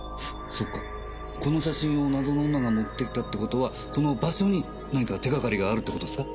そっかこの写真を謎の女が持ってきたって事はこの場所に何か手がかりがあるって事ですか？